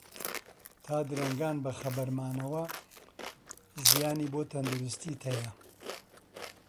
تا درەنگان بەخەبەر مانەوە زیانی بۆ تەندروستیت هەیە.